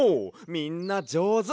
みんなじょうず！